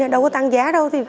đâu có tăng giá đâu